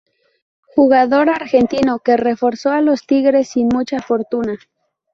Jugador argentino que reforzó a los Tigres sin mucha fortuna.